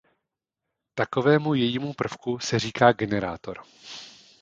Takovému jejímu prvku se říká generátor.